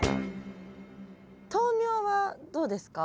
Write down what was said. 豆苗はどうですか？